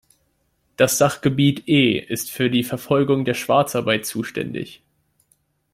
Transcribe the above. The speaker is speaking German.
Das Sachgebiet E ist für die Verfolgung der Schwarzarbeit zuständig.